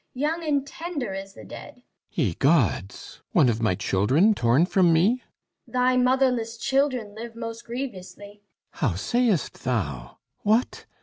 Young and tender is the dead. THESEUS Ye Gods! One of my children torn from me? LEADER Thy motherless children live, most grievously. THESEUS How sayst thou? What?